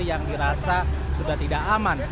yang dirasa sudah tidak aman